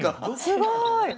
すごい！